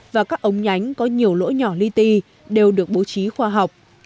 và các ống nhánh có nhiều lỗ nhỏ li ti đều được bố trí khoa học